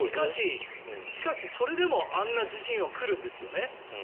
しかし、それでもあんな地震は来るんですよね。